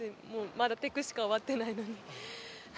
まだテクしか終わってないのに。